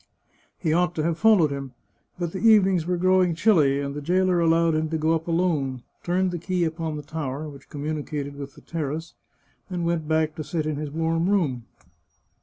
He ought to have followed him, but the evenings were growing chilly, and the jailer allowed him to go up alone, turned the key upon the tower, which communicated with the terrace, and went back to sit in his warm room.